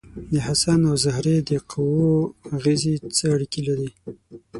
د حسن او زهرې د قوو اغیزې څه اړیکې لري؟